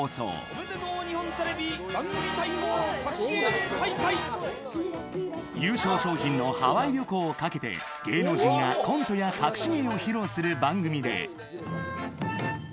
おめでとう日本テレビ番組対優勝賞品のハワイ旅行をかけて、芸能人がコントやかくし芸を披露する番組で。